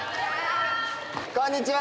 こんにちは！